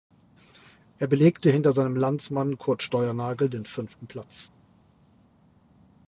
Er belegte hinter seinem Landsmann Curt Steuernagel den fünften Platz.